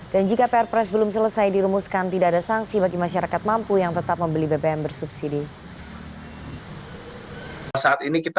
dan jika pr press belum selesai diremuskan tidak ada sanksi bagi masyarakat mampu yang tetap membeli bbm bersubsidi